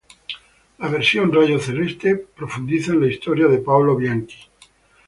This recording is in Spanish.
La versión Rayo Celeste profundiza en la historia de Paolo Bianchi.